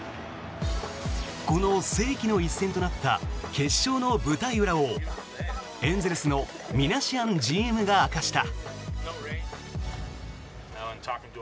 この世紀の一戦となった決勝の舞台裏をエンゼルスのミナシアンＧＭが明かした。